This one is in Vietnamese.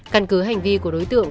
cần cứ hành vi của đối tượng